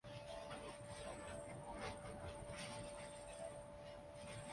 قضیہ یہ ہے کہ کون سر عام سوال اٹھانے کا مجاز ہے؟